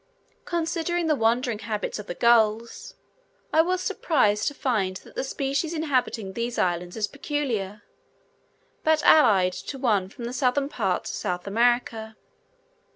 Considering the wandering habits of the gulls, I was surprised to find that the species inhabiting these islands is peculiar, but allied to one from the southern parts of South America.